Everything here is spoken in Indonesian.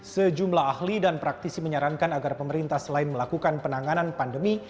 sejumlah ahli dan praktisi menyarankan agar pemerintah selain melakukan penanganan pandemi